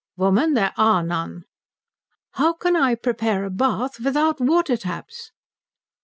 "Woman, there are none." "How can I prepare a bath without water taps?"